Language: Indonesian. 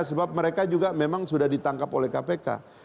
sebab mereka juga memang sudah ditangkap oleh kpk